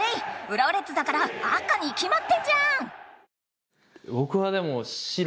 浦和レッズだから赤にきまってんじゃん！